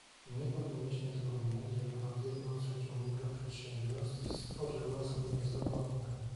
Nie powinniśmy zapominać, że ponad jedną trzecią mikroprzedsiębiorstw stworzyły osoby bezrobotne